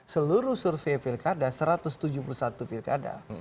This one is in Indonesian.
seluruh survei pilkada satu ratus tujuh puluh satu pilkada